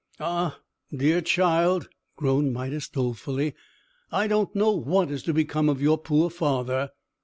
"Ah, dear child," groaned Midas, dolefully, "I don't know what is to become of your poor father!"